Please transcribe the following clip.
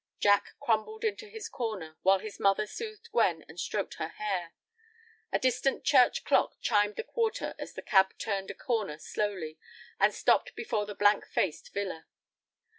Jack crumbled into his corner, while his mother soothed Gwen and stroked her hair. A distant church clock chimed the quarter as the cab turned a corner slowly, and stopped before the blank faced villa.